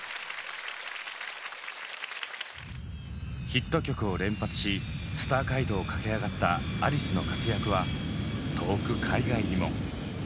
ヒット曲を連発しスター街道を駆け上がったアリスの活躍は遠く海外にも。